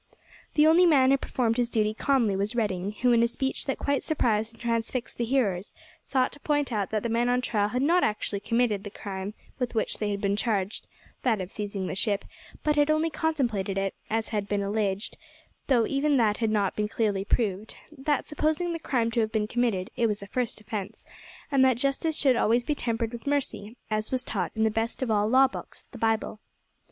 The only man who performed his duty calmly was Redding, who, in a speech that quite surprised and transfixed the hearers, sought to point out that the men on trial had not actually committed the crime, with which they had been charged, that of seizing the ship, but had only contemplated it, as had been alleged, though even that had not been clearly proved; that, supposing the crime to have been committed, it was a first offence, and that justice should always be tempered with mercy, as was taught in that best of all law books, the Bible.